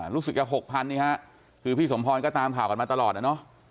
รู้สึกจะ๖๐๐นี่ฮะคือพี่สมพรก็ตามข่าวกันมาตลอดนะเนอะ